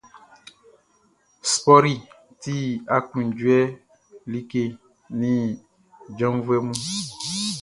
Spɔriʼn ti aklunjuɛ like nin janvuɛ mun.